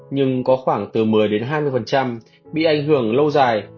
nhưng có khoảng từ một mươi hai mươi bị ảnh hưởng lâu dài